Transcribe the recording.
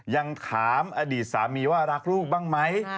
ยังถามอดีตสามีว่ารักลูกบ้างไหม